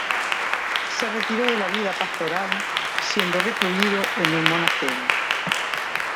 Se retiró de la vida pastoral, siendo recluido en un monasterio.